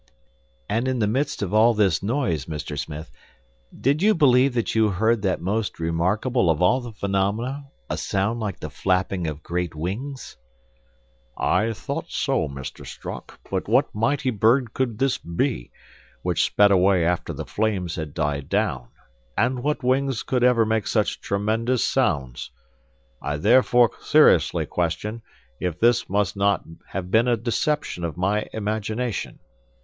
"And in the midst of this noise, Mr. Smith, did you believe that you heard that most remarkable of all the phenomena, a sound like the flapping of great wings?" "I thought so, Mr. Strock; but what mighty bird could this be, which sped away after the flames had died down, and what wings could ever make such tremendous sounds. I therefore seriously question, if this must not have been a deception of my imagination.